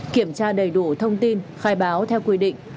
kiểm tra đầy đủ thông tin khai báo theo quy định